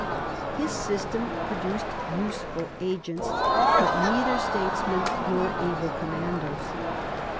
His system pro duced useful agents, but neither statesmen nor able com manders.